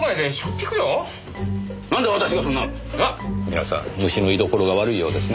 皆さん虫の居所が悪いようですね。